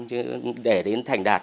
chứ để đến thành đạt